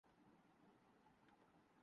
احتساب کیا تھا۔